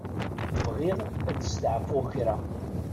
Bɣiɣ ad steɛfuɣ kra.